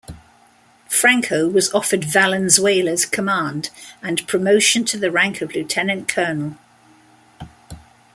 Franco was offered Valenzuela's command, and promotion to the rank of lieutenant colonel.